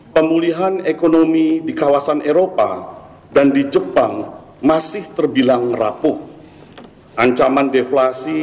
pemulihan ekonomi di kawasan eropa dan di jepang masih terbilang rapuh ancaman deflasi